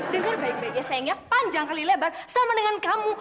dengan baik baiknya sayangnya panjang kali lebat sama dengan kamu